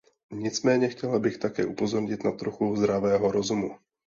Nicméně chtěla bych také upozornit na trochu zdravého rozumu.